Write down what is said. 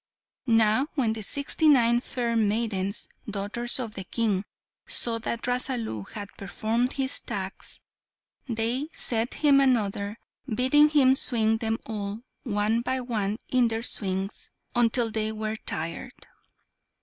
Now when the sixty nine fair maidens, daughters of the king saw that Rasalu had performed his task, they set him another, bidding him swing them all, one by one, in their swings, until they were tired.